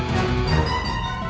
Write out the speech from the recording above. kau tidak apa apa